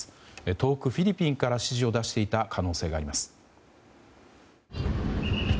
遠くフィリピンから指示を出していた可能性があります。